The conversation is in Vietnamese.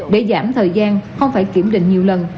để giảm thời gian không phải kiểm định nhiều lần